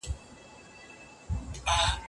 موږ د پښتو ادب د پراختیا په لټه کې یو.